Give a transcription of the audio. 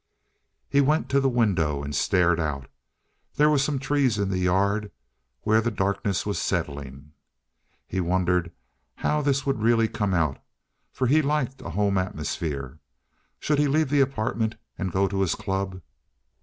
He went to the window and stared out. There were some trees in the yard, where the darkness was settling. He wondered how this would really come out, for he liked a home atmosphere. Should he leave the apartment and go to his club?